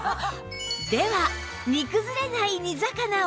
では煮崩れない煮魚を！